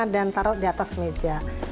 dan taruh di atas meja